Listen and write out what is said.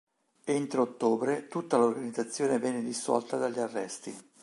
Entro ottobre tutta l'organizzazione venne dissolta dagli arresti.